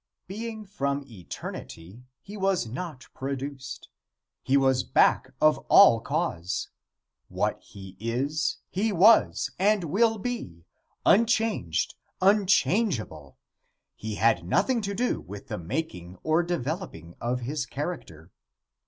Being from eternity, he was not produced. He was back of all cause. What he is, he was, and will be, unchanged, unchangeable. He had nothing to do with the making or developing of his character.